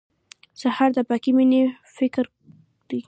سهار د پاکې مېنې فکر دی.